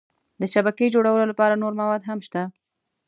د شبکې جوړولو لپاره نور مواد هم شته.